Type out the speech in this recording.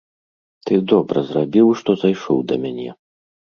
Ты добра зрабіў, што зайшоў да мяне.